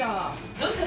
どうした？